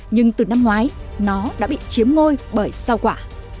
nhưng từ năm ngoái nó đã bị chiếm ngôi bởi sao quả